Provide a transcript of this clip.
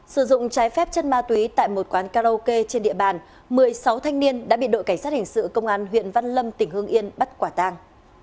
sử dụng trái phép chất ma túy tại một quán karaoke trên địa bàn một mươi sáu thanh niên đã bị đội cảnh sát hình sự công an huyện văn lâm tỉnh hương yên bắt quả tang